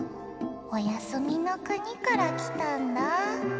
おやすみのくにからきたんだぁ。